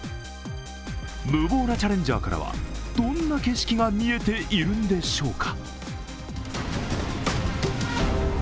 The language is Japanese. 無謀なチャレンジャーからは、どんな景色が見えているんでしょうか。